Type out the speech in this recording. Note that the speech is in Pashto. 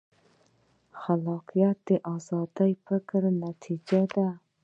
خلاقیت د ازاد فکر نتیجه ده.